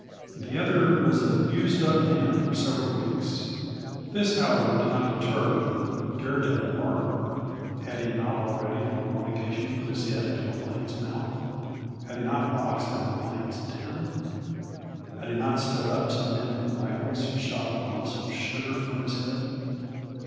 The other "was a used up man for several weeks." This however, did not deter the daredevil barber. Had he not already on one occasion put his head into a lion's mouth? Had he not boxed in a lion's den? Had he not stood up to men with rifles who shot lumps of sugar from his head?